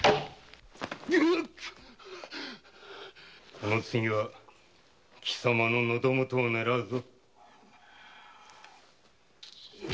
この次は貴様の喉元を狙うぞ。